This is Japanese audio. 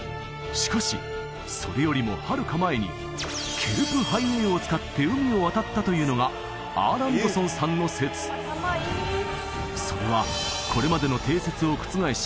しかしそれよりもはるか前にケルプ・ハイウェイを使って海を渡ったというのがアーランドソンさんの説それはこれまでの定説を覆し